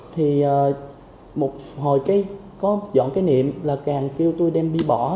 thì một hồi cái có dọn cái niệm là càng kêu tôi đem đi bỏ